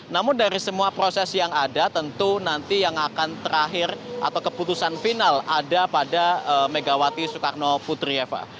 namun dari semua proses yang ada tentu nanti yang akan terakhir atau keputusan final ada pada megawati soekarno putri eva